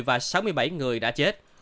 và sáu mươi bảy người đã chết